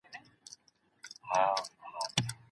موږ به پرمختګ کړی وي.